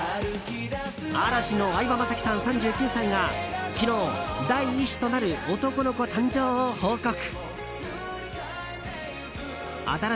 嵐の相葉雅紀さん、３９歳が昨日、第１子となる男の子誕生を報告。